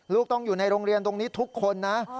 ลูกต้องอยู่ในโรงเรียนตรงนี้ทุกคนนะ